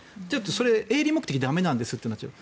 それ、営利目的は駄目なんですってなっちゃう。